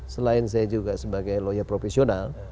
selain saya juga sebagai lawyer profesional